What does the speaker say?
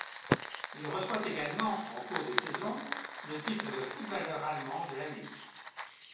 Il reçoit également en cours de saison le titre de footballeur allemand de l'année.